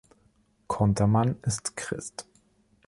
Konterman ist Christ.